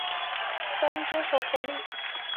三只手合力。